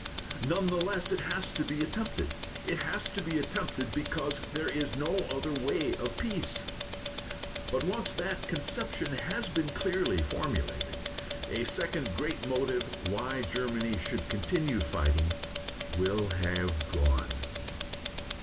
None the less it has to be attempted. It has to be attempted because there is no other way of peace. But once that conception has been clearly formulated, a second great motive why Germany should continue fighting will have gone.